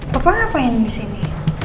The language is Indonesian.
papa ngapain disini